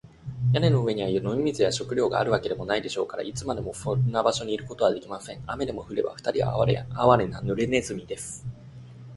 屋根の上には飲み水や食料があるわけでもないでしょうから、いつまでもそんな場所にいることはできません。雨でも降れば、ふたりはあわれな、ぬれネズミです。